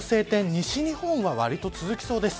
西日本はわりと続きそうです。